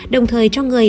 đồng thời cho người